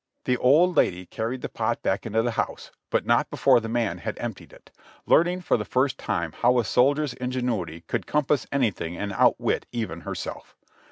The old lady carried the pot back into the house, but not be fore the man had emptied it, learning for the first time how a soldier's ingenuity could compass anything and outwit even herself.